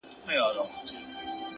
هغه چي ماته يې په سرو وینو غزل ليکله ـ